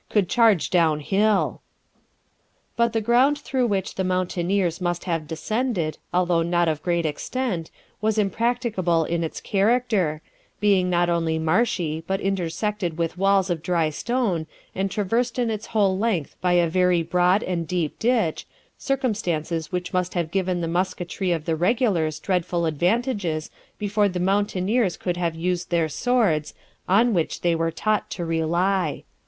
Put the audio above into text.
could charge down hill.' But the ground through which the mountaineers must have descended, although not of great extent, was impracticable in its character, being not only marshy but intersected with walls of dry stone, and traversed in its whole length by a very broad and deep ditch, circumstances which must have given the musketry of the regulars dreadful advantages before the mountaineers could have used their swords, on which they were taught to rely.